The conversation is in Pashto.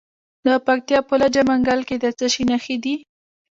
د پکتیا په لجه منګل کې د څه شي نښې دي؟